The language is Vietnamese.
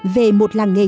về một làng nghề